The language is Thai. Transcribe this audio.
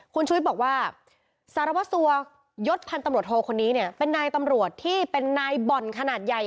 คุณชุวิตบอกว่าสารวัสสัวยศพันธ์ตำรวจโทคนนี้เนี่ยเป็นนายตำรวจที่เป็นนายบ่อนขนาดใหญ่